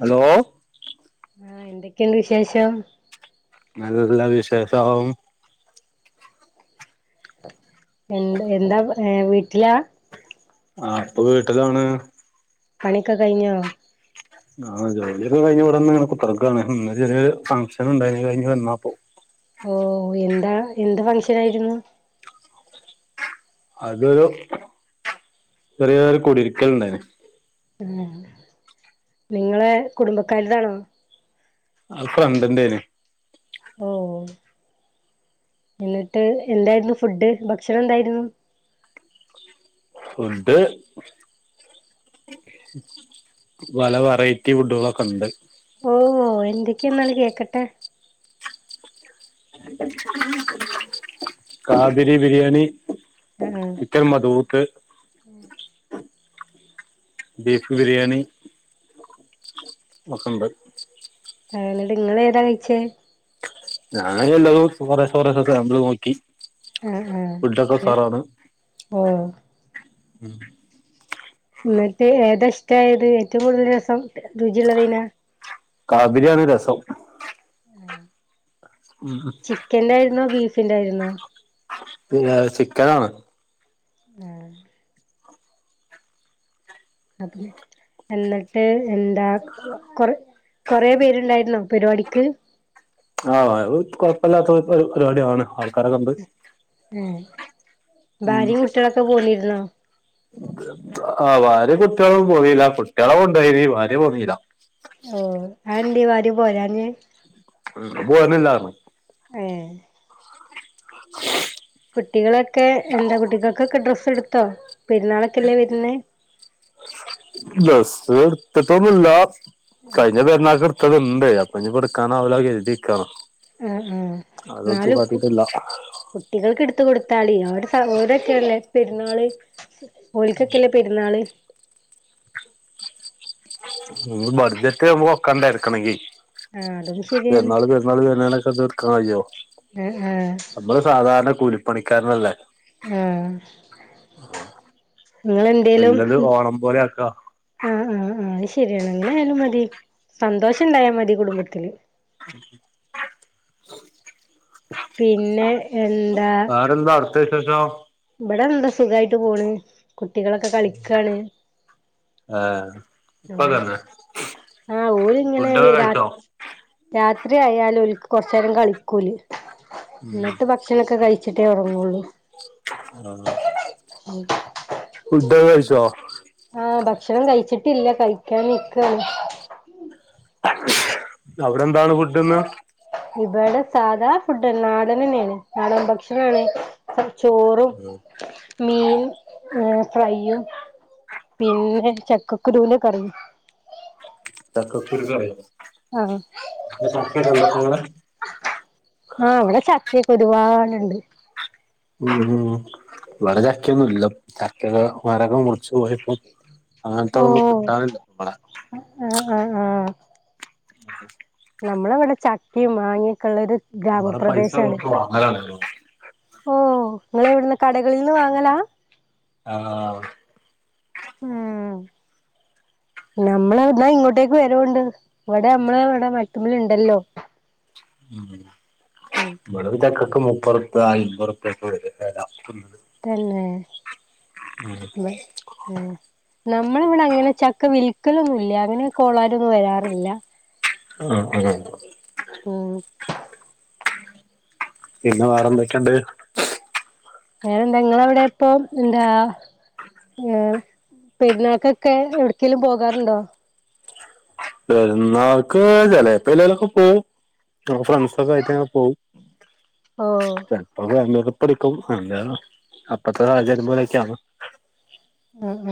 Hello ആ എന്തൊക്കെയുണ്ട് വിശേഷം നല്ലത്ല്ലാം വിശേഷം എന്ത് എന്താ ഏ വീട്ടിലാ ആ ഇപ്പൊ വീട്ടിലാണ് പണിക്കെ കഴിഞ്ഞോ ആ ജോലി ഒക്കെ കഴിഞ്ഞ് ഇവിടെ വന്ന് ഇങ്ങനെ കുത്തർക്കാണ് ഇന്ന് ചെറ്യേ ഫംഗ്ഷൻ ഇണ്ടായ്നി അകയ്ഞ്ഞ് വന്നാപ്പോ ഓ എന്താ എന്ത് ഫംഗ്ഷൻ ആയിരുന്നു അതൊരു ചെറ്യേ ഒര് കുടിര്ക്കൽണ്ടായിനി ആ നിങ്ങളെ കുടുംബക്കാരതാണോ അ ഫ്രണ്ടിൻ്റേണി ഓ എന്നിട്ട് എന്തായിരുന്നു ഫുഡ് ഭക്ഷണം എന്തായിരുന്നു ഫുഡ് പല വെറൈറ്റി ഫുഡുകളൊക്കെണ്ട് ഓ ഓ എന്തെക്കെ ന്നാല് കേക്കട്ടെ കാബിരി ബിരിയാണി ആഹ് ക്കൻ മദ്ഹൂത്ത് ബീഫ് ബിരിയാണി ഒക്കെണ്ട് ആണ്ലേ ങ്ങളേ ഏതാ കഴിച്ചേ ഞാന് എല്ലതും കൊറേശേ കൊറേശേ സേമ്പിൾ നോക്കി ആ ഫുഡൊക്കെ ആ ഉസാറാണ് ഓ ഉം ന്നിട്ട് ഏതാ ഇഷ്ടായത് ഏറ്റവും കൂടുതൽ രസം രുചിയുള്ളതെയ്നാ കാബിരിയാണ് രസം ചിക്കന്റായിര്ന്നോ ബീ ഫിന്റായ്ര്ന്നോ പിന്നേ ചിക്കനാണ് ആ അപ്പം എന്നിട്ട് എന്താ കൊറ കൊറേ പേരുണ്ടായിരുന്നോ പരിവാടിക്ക് ആ അഅ് കൊഴപ്പല്ലാത്ത പര് പരിവാടി ആണ് ഉം ഭാര്യയും കുട്ടികളൊക്കെ പോന്നിരുന്നോ ആ ഭാര്യയും കുട്ടികളും പൊന്നീല്ല കുട്ടികളെ കൊണ്ടൊയ്‌നീ ഭാര്യ പോന്നീല്ല ഓ അഎന്തേ ഭാര്യ പോരാ ഉം ഉം പോര്നില്ലാർഞ്ഞ് ഏ കുട്ടികളെ- ഒക്കെ എന്താ കുട്ടികൾക്കൊക്കെ ഡ്രസ്സ് എടുത്ത- ട്ത്തോ [unintelligible] പെരുന്നാളൊക്കെല്ലേ വരുന്നേ ഡ്രസ്സ്‌ എടുത്തിട്ടൊന്നുമില്ല കഴിഞ്ഞ പെരുന്നാൾക്ക് എടു - ട്ത്തത്ണ്ടേ അപ്പം ഞിപ്പെടുക്കാനാവൂലാ കെര്‌തിക്കാണ് ആഹ് ആഹ് നാലും കു കുട്ടികൾക്ക് എടുത്ത് കൊടുത്ത്- ത [unintelligible] സഹോദൊക്കെയല്ലേ പെര്‌ന്നാള്‌ ഓലിക്കൊക്കെല്ലേ പെരുന്നാള് മളെ ബഡ്ജറ്റ് നമ്മക്ക് ഒക്കണ്ടേ എടുക്കണെങ്കി ആഹ് അതും ശരിയാണ് പെരുന്നാള് പെരുന്നാള് [unintelligible] പന്തെ ഇട്ക്കാൻ കയ്യോ? ആഹ് ആഹ് നമ്മള് സാധാരണ കൂലി പണിക്കാരനല്ലേ ആ നിങ്ങളെന്തേലും വല്ലത് ഓണം പോലെ ആക്കാ ആഹ് ആഹ് ആഹ് അയിശേ രിയാണ്. അങ്ങനൊയാലും മതി. സന്തോഷം ഉണ്ടായാ മതി കുടുംബത്തില്. പിന്നെ എന്താ ത്തെ വിശേഷോ? ഇവിടെ എന്താ സുഖായിട്ട് പോണ്. കുട്ടികളൊക്കെ കളിക്കാണ്. ഏഹ് ഇപ്പൊ ആഹ് തന്നെ ആ ഓര് ഇങ്ങനെ വി ഫുഡൊക്കെ രാ കഴിച്ചോ രാത്രിയായാല് ഓൽക്ക് കൊറച്ചേരാം കളിക്കോല്. എന്നിട്ട് ഭക്ഷണൊക്കെ കഴി ച്ചിട്ടേ ഉറങ്ങൂള്ളു. ആഹ് ഫു ഡൊക്കെ കഴിച്ചോ? ആ ഭ ക്ഷണം കഴിച്ചിട്ടില്ല കഴിക്കാൻ നിക്കാണ്. അവിടെ എന്താണ് ഫുഡിന്ന്? ഇവടെ സാധാ ഫുഡ് നാടനന്നെയാണ് നാടൻ ഭക്ഷണാണ്. ചോറും മീൻ ഏ ഫ്രൈയും പിന്നെ ചക്കക്കുരൂന്റെ കറിയും. ചക്ക കുരുക്കറിയാ? ആ ഇപ്പൊ ഇങ്ങളെ ആ ഇവിടെ ചക്ക്യൊക്കെ ഒരുപാട് ഇണ്ട് ഉം ഉം ഇവടെ ചക്ക്യൊന്നൂല്ല. ചക്കേടെ മരൊക്കെ മുറിച്ചു പോയപ്പോ അങ്ങനത്തെ ഒന്നും കിട്ടാനില്ല ഇവട ആ ആ നമ്മളവിടെ ചക്കേം മാങ്ങേ ക്കുള്ളൊരു ഇവിടെ പൈസ ഗ്രാമപ്രദേശാണ്. കൊടുത്ത് വാങ്ങലാണ് ഓ ഇങ്ങളെവിടന്ന് കടകളീന്ന് വാങ്ങലാ? ആഹ് ഇം നമ്മള് ദാ ഇങ്ങോട്ടേക്ക് വരവുണ്ട് ഇവിടെ നമ്മള് ഇവിടെ മരത്തിമ്മലിണ്ടല്ലോ [unintelligible] [unintelligible] തന്നേ മ് ഇം നമ്മളിവിടങ്ങന ചക്ക വി ക്കലൊന്നും ഇല്ല അങ്ങനെ കോളാരൊന്നും വരാറില്ല ആ ആഹ് ഉം പിന്നെ വേറെന്തൊക്കെയൊണ്ട്? ഞാനിണ്ട് ഇങ്ങളെവിടെ ഇപ്പം എന്താ ഏഹ് പെരുന്നാക്കൊക്കെ എവിടേക്കേലും പോകാറുണ്ടോ? പെരുന്നാക്ക് ചിലേപ്പ എല്ലേലക്ക പോവും [unintelligible] ഫ്രണ്ട്സ് സക്ക ആയിട്ടങ്ങന പോവും. ഓഹ് ചേലപ്പ [unintelligible] ടിക്കും [unintelligible] അപ്പത്തെ സാഹചര്യം പോലെയൊക്കെയാണ്. ഉ ഉം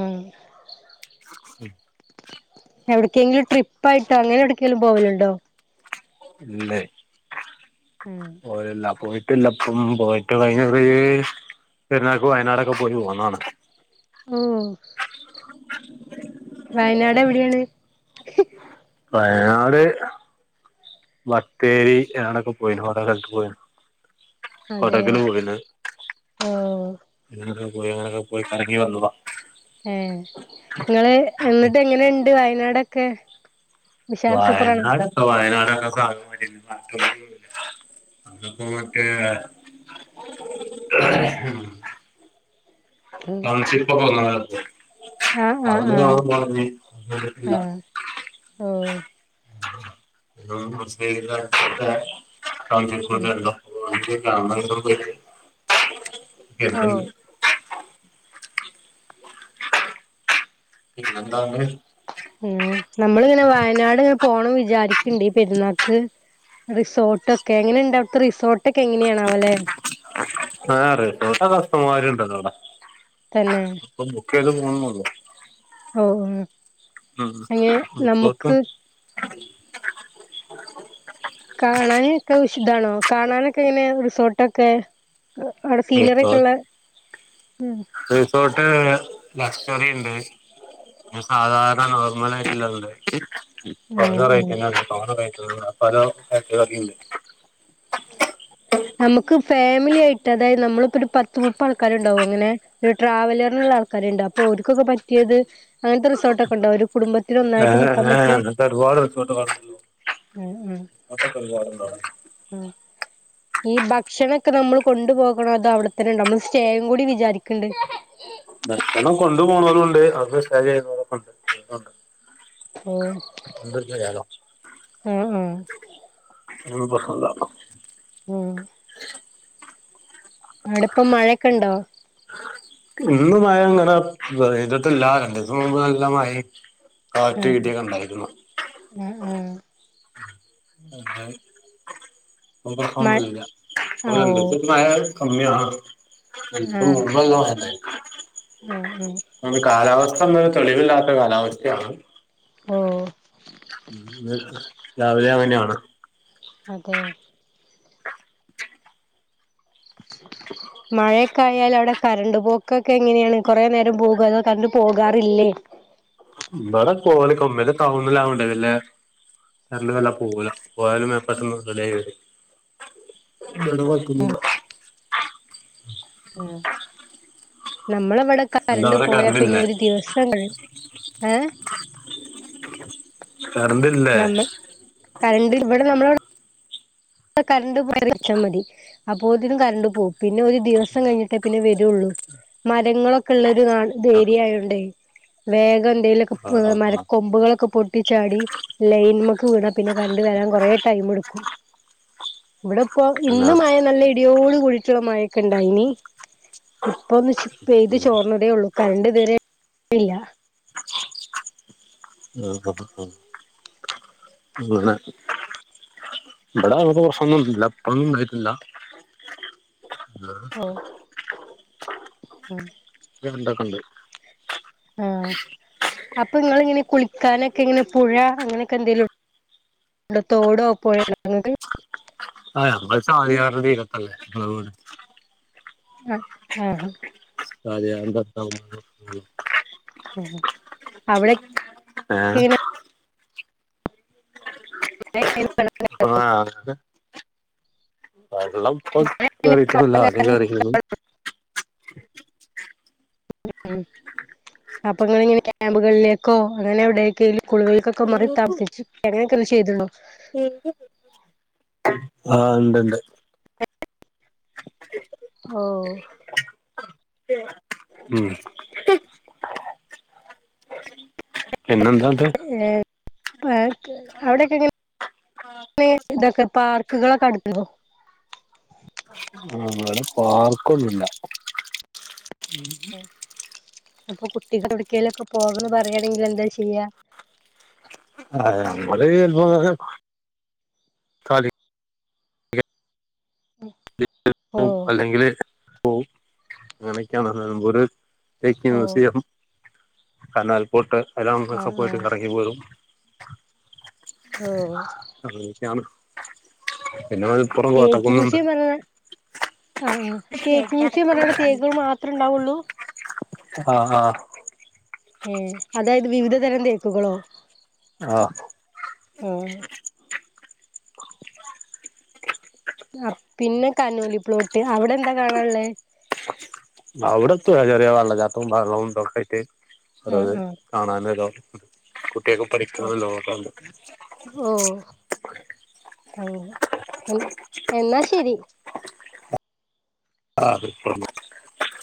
എവിടക്കെങ്കിലും ട്രിപ്പ് ആയിട്ടോ അങ്ങനെ എവടെക്കെങ്കിലും പോവലിണ്ടോ ഇല്ലേയ് ഉം [unintelligible] ല്ലപ്പം പോയിട്ട് കഴിഞ്ഞറി പെരുന്നാക്ക് വയനാടൊക്കെ പോയി പോന്നതാണ് ഓ എവിടെയാണ്? വയനാട് മത്തേരി ആടൊക്കെ പോയിന് [unintelligible] പോയിനു അതെ കൊടകിലും പോയിന് ഓഹ് പോയി അങ്ങനൊക്കെ പോയി കറങ്ങി വന്നതാ ഏ നിങ്ങള് എന്നിട്ട് എങ്ങനെണ്ട് വയനാട് പെ വയനാടൊക്കെ വയനാടൊക്കെ സാഗണ്ട അതിപ്പോൊ മറ്റേ തസിപ്പൊ പോന്ന ആഹ് ആഹ് അ ആഹ് പറട്ടില്ല ആഹ് ഓഹ് ആ മട്ട ആ ഉം സ ആ പോ ഓഹ് ഉം ഇന്താണ് ഉ നമ്മളിങ്ങനെ വയനാട് ഇങ്ങനെ പോണം വിചാരിക്കണ്ടണ്ട് പെരുന്നാക്ക് റിസോർട്ടൊക്കെ എങ്ങനെ ഇണ്ടവിത്തെ റിസോർട്ട് ആറ ട്ട കഷമാരുണ്ടല്ലോ അവിടെ തന്നെ [unintelligible] ഒഒ അങ്ങെ നമുക്ക് ഉ [inaudible] കാണാനക്കെ വിഷിതാണോ കാണാനൊക്കെങ്ങനെയാ റിസോട്ടൊക്കെ അവിടെ സീനറിക്കൊള്ള റിസോട്ട് ലക്ഷ്വറിണ്ട് പിന്നെ സാധാരണ നോർമലായിട്ടുള്ളണ്ട് ഉം പൗഞ്ഞൂർ ഉം യി ന പൗണൂർായിയി [unintelligible] പല ഫാക്ടറികൾക്കണ്ട് നമുക്ക് ഫാമിലിയായി മറ്റേത് നമ്മളിപ്പോരു പത്തുമുപ്പതാൾക്കാരുണ്ടാവുങ്ങനെ ഒരു ട്രാവലറിനുള്ളൾക്കാരുണ്ടാവുപ്പൊർക്കൊക്കെ പറ്റിയത് അങ്ങനത്തെ റിസോർട്ടോക്കെണ്ടോ ഒരു കുടുംബത്തിനൊന്നായിട്ട് ഏഹ് നിക്കാൻ ഏഹ് പറ്റിയ അങ്ങനത്തെ ഒരുപാട് റിസോർട്ടുകളുണ്ടല്ലോ മ്മ് റിസോർട്ടൊക്കെ ഒരുപാടുണ്ട് അവിടെ മ്മ് ഈ ഭക്ഷണക്കെ നമ്മൾ കൊണ്ടു പോകണോ അതോ അവിടെത്തന്നെണയുണ്ടോ നമ്മള് സ്റ്റേയും കൂടി വിചാരിക്കണ്ട് ഭക്ഷണം കൊണ്ടു പോണവരുണ്ട് [unintelligible] ഓ ചെയ്യാലോ മ്മ് മ്മ് എ പസന്ത [unintelligible] മ്മ് അവിടിപ്പം മഴൊക്കെണ്ടോ ഇന്ന് മഴങ്ങനെ ഇതിട്ടല്ല രണ്ടുസം മുമ്പ് നല്ല മഴ കാറ്റ് ആഹ് വീട്ടിയത് കണ്ടായിരിന്നു ആഹ് ആഹ് ആഹ മഴ ആഹ് ഓ [unintelligible] [unintelligible] കമ്മിയാ എ ആഹ് മള ഗത [unintelligible] ഉം ഉം ങ്ങള് കാലാവ സമയവും തെളിവില്ലാത്ത കാലാവസ്ഥയാണ്. ഓ രാവിലെങ്ങനെയാണ്. അതെ മഴയ ക്കായാല് അവിടെ കരന്റ് പൊക്കൊക്കെങ്ങനെയാണ് കൊറെ നേരം പോകോ അതോ കരൻറ് പോകാറില്ലേ [unintelligible] പോയാലുപ്പത്തന്നെ ഉടനെ വെരും നടവാക്കുന്നില്ല. അ നമ്മള് ഇവിടൊക്കെ എന്താ കരന്റ് അവിടെ പോയാ കറണ്ട് പിന്നെ ഇല്ലേ ഒരു ദിവസം കഴിഞ്ഞ് ഏ കറണ്ട് ഇല്ലേ നമ്മൾ കരന്റ്ഇവിടെ നമ്മളവടെ കരന്റ് [unintelligible] മതി അപ്പോത്തിന് കരന്റ് പോം പിന്നെ ഒരു ദിവസം കഴിഞ്ഞിട്ടേ പിന്നെ വെരുള്ളൂ മരങ്ങളൊക്കെ ള്ള ഇത് നാട് ഇത് ആ ഏരിയായോണ്ടേ വേഗൻ എലൊക്കെ ആ പ്പ് ആ ആ മരക്കൊമ്പുകളൊക്കെ പൊ ട്ടി ചാടി ലൈൻമ ക്ക്‌ വീണാ പിന്നെ കരന്റ് വെരാൻ കൊറേ ടൈമ്ട്ക്കും ഇവിടെ ഇപ്പോ പിന്നെ ആ ഇന്ന്മയ നല്ല ഇടിയോട് കുഴിച്ചുള്ള മഴൊക്കെ ണ്ടായ്നി ഇപ്പൊ ഒന്ന് പെയ്ത്ചോർന്നതേ ഒള്ളൂ കരന്റ് ഇതുവരെ [unintelligible] [unintelligible] ഇവിടെ അങ്ങനെപ്രശൊന്നും ഇല്ല ഇപ്പൊന്നുംണ്ടായിട്ടില്ല [unintelligible] [unintelligible] ണ്ടാക്ക്ണ്ട് ആഹ് അപ്പൊ ങ്ങള് ഇങ്ങനെ കുളിക്കാനൊക്കെ ഇങ്ങനെ പുഴ അങ്ങനെയൊക്കെ എന്തെലും തോടോ പുഴ ആഹ് ഞങ്ങൾ ചാലിയാറിന്റെ തിരത്തല്ലേ ഞങ്ങളെ വീട് ആഹ് ആഹ് അതെ അന്താക്ക അവിടെ ഏ ക്കേന ആ അങ്ങെ വെള്ളംഇപ്പംകറിട്ടില്ല ആദ്യം കേറിക്കണ് [inaudible] അപ്പോ നിങ്ങൾഇങ്ങനെ ക്യാമ്പുകളിലേക്കോ അങ്ങനെ എവിടെങ്കിലു സ്കുളിലക്കൊക്കെ മാറി താമസിച്ച്ങ്ങനെ കൃഷി ചെയ്ത് ഒള്ളു കേക്കുന്നുണ്ടോ ആഹ് ഉണ്ട്ണ്ട് ഓ ഉം പിന്നെന്താ ഇത് പ [unintelligible] അവിടെ ഒക്കെ ഇങ്ങനെയാണ് ഇത് ഒകെ പാർക്ക് [unintelligible] [unintelligible] വാർക്കൊന്നില്ല അപ്പോൾ കു കുട്ടികൾക്ക് എവിടെയെങ്കിലൊക്കെ പോകന്ന് പറയുകയാണെങ്കിൽ എന്താ ചെയ്യാ ആ നമ്മള കളി ഓ അല്ലെങ്കില് പോകും അങ്ങനെയൊക്കെയണത് നിലമ്പൂർ ഓ [unintelligible] കനാൽ പോട്ട് അല്ലാം നമക്കൊക്കെ ആഹ് പോയിട്ട് ആഹ് കറങ്ങി പോരും ഓ അങ്ങനൊക്കെ ആണ് [inaudible] പിന്നെ മൽപുറം തേക്ക് കോട്ടക്കുന്ന്ണ്ട് മ്യൂസിയം പറഞ്ഞ ആഹ് ആഹ് തേക്ക് മ്യൂസിയം പർഞ്ഞവിടെ തേക്കുകള് മാത്രേ ഉണ്ടാവുള്ളൂ ആഹ് ആഹ് ഏ അതായത് വിവിധ തരം തേക്കുകളോ ആഹ് ആഹ് ആ പിന്നെ കനോലിപ്ലോട്ട് അവിടെന്താ കാണാള്ളേ അവിടെത്തു ചെറിയ വെള്ളച്ചാട്ടും ബേറേള്ളതും തൊക്കയ്ട്ട് [unintelligible] ആഹ് ആഹ് [unintelligible] ട്ട [unintelligible] ഓ പഠിക്ക്ണത് ഓ [unintelligible] [unintelligible] എന്നാ ശരി [inaudible]